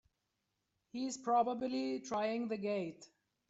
He's probably trying the gate!